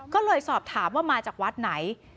ก็เลยสอบถามว่ามาจากวัดไหน